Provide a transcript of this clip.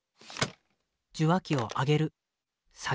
受話器を上げる下げる。